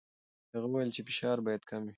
هغه وویل چې فشار باید کم وي.